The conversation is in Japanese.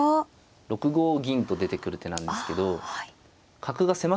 ６五銀と出てくる手なんですけど角が狭くなってるんですよね。